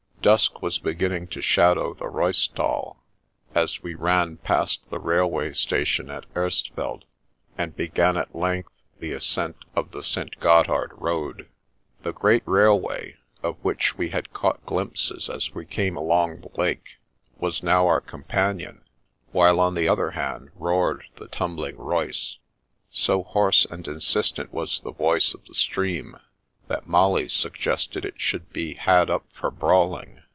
Dusk was beginning to shadow the Reussthal, as we ran past the railway station at Erstfeld, and be gan at length the ascent of the St. Gothard Road. The great railway (of which we had caught glimpses as we came along the lake) was now our companion, while on the other hand roared the tumbling Reuss. So hoarse and insistent was the voice of the stream that Molly suggested it should be "had up for brawling."